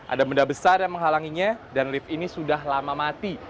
ada benda besar yang menghalanginya dan lift ini sudah lama mati